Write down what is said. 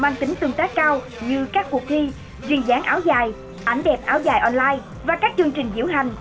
như các cuộc thi duyên giảng áo dài ảnh đẹp áo dài online và các chương trình diễu hành